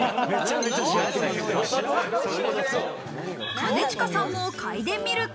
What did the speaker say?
兼近さんもかいでみると。